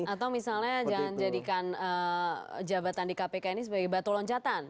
atau misalnya jangan jadikan jabatan di kpk ini sebagai batu loncatan